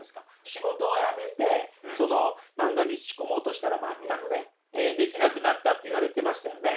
仕事を辞めて漫画に打ち込もうとしたら全くできなくなったって言われてましたよね。